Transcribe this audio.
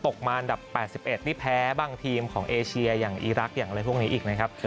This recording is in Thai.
มาอันดับ๘๑ไม่แพ้บางทีมของเอเชียอย่างอีรักษ์อย่างอะไรพวกนี้อีกนะครับ